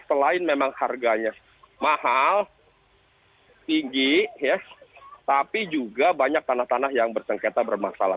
selain memang harganya mahal tinggi tapi juga banyak tanah tanah yang bersengketa bermasalah